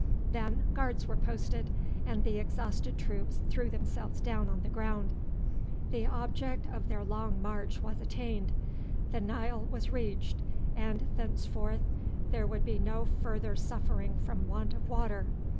Then guards were posted, and the exhausted troops threw themselves down on the ground. The object of their long march was attained, the Nile was reached, and thenceforth there would be no further suffering from want of water.